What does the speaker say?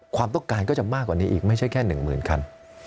ความต้องการก็จะมากกว่านี้อีกไม่ใช่แค่๑๐๐๐คัน